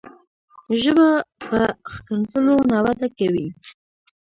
ژبه په ښکنځلو نه وده کوي.